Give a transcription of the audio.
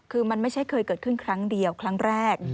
คือมันไม่ใช่เคยเกิดขึ้นครั้งเดียวครั้งแรก